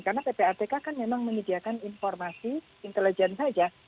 karena ppap kan memang menyediakan informasi intelijen saja